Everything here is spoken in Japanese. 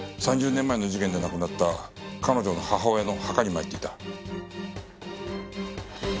３０年前の事件で亡くなった彼女の母親の墓に参っていた。